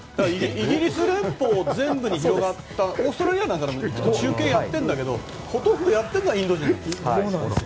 イギリス連邦全部に広がったオーストラリアなんかでも中継やってるんだけどほとんど、やってるのはインド人なの。